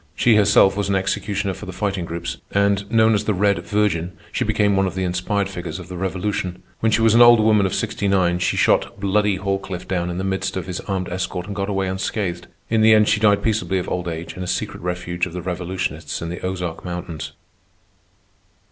She herself was an executioner for the Fighting Groups, and, known as the Red Virgin, she became one of the inspired figures of the Revolution. When she was an old woman of sixty nine she shot "Bloody" Halcliffe down in the midst of his armed escort and got away unscathed. In the end she died peaceably of old age in a secret refuge of the revolutionists in the Ozark mountains.